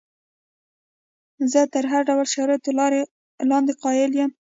زه تر هر ډول شرایطو لاندې قایل یم.